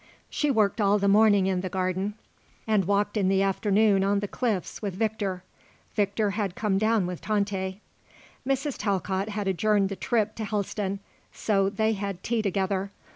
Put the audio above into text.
She worked all the morning in the garden and walked in the afternoon on the cliffs with Victor. Victor had come down with Tante. Mrs. Talcott had adjourned the trip to Helston; so they had tea together.